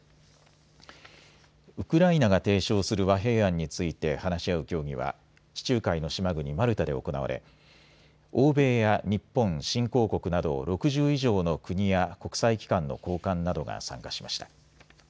ウクライナが提唱する和平案について話し合う協議は地中海の島国マルタで行われ欧米や日本、新興国など６０以上の国や国際機関の高官などが参加しました。